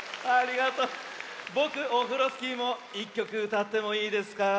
ぼくオフロスキーも１きょくうたってもいいですか？